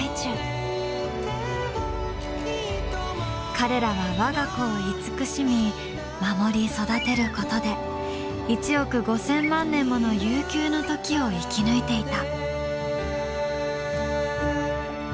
彼らは我が子を慈しみ守り育てることで１億５，０００万年もの悠久の時を生き抜いていた。